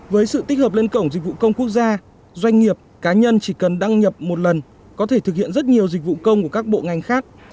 với sự tích hợp lên cổng dịch vụ công quốc gia doanh nghiệp cá nhân chỉ cần đăng nhập một lần có thể thực hiện rất nhiều dịch vụ công của các bộ ngành khác